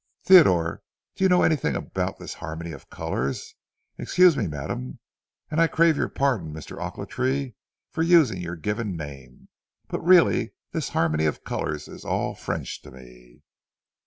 "'Theodore, do you know anything about this harmony of colors? Excuse me, madam,—and I crave your pardon, Mr. Ochiltree, for using your given name,—but really this harmony of colors is all French to me.'